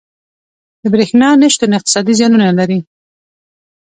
• د برېښنا نه شتون اقتصادي زیانونه لري.